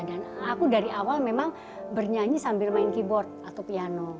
dan aku dari awal memang bernyanyi sambil main keyboard atau piano